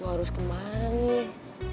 baru kemana nih